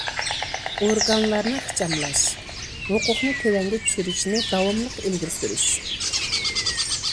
ئورگانلارنى ئىخچاملاش، ھوقۇقنى تۆۋەنگە چۈشۈرۈشنى داۋاملىق ئىلگىرى سۈرۈش.